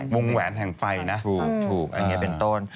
วงแหวนแห่งไฟนะถูกอันนี้เป็นต้น